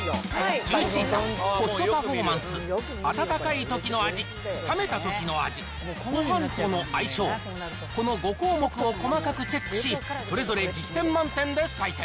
ジューシーさ、コストパフォーマンス、温かいときの味、冷めたときの味、ごはんとの相性、この５項目を細かくチェックし、それぞれ１０点満点で採点。